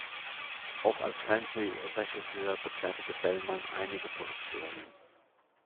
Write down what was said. Auch als Fernsehregisseur begleitete Bellmann einige Produktionen.